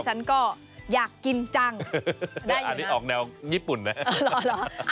ดิฉันก็อยากกินจังได้อยู่นะอันนี้ออกแนวญี่ปุ่นไหมอ๋อหรอ